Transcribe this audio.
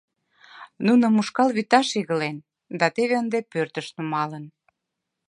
Нуным ушкал вӱташ игылен да теве ынде пӧртыш нумалын.